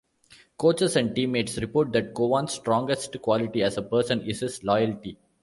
Coaches and teammates report that Cowan's strongest quality as a person, is his loyalty.